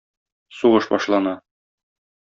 Сугыш башлана.